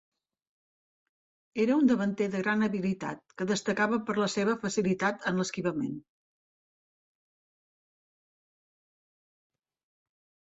Era un davanter de gran habilitat, que destacava per la seva facilitat en l'esquivament.